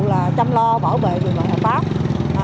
là chăm lo bảo vệ người lao động